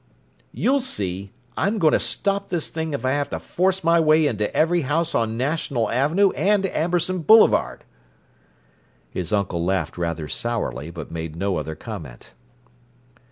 "You'll see! I'm going to stop this thing if I have to force my way into every house on National Avenue and Amberson Boulevard!" His uncle laughed rather sourly, but made no other comment.